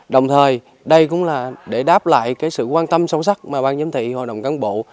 đồng thời đây cũng là để đáp lại sự quan tâm sâu sắc mà ban giám thị hội đồng cán bộ